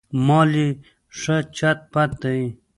مال یې ښه چت پت دی.